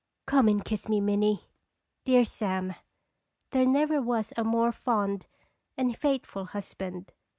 Come and kiss me, Minnie." Dear Sam ! There never was a more fond and faithful husband.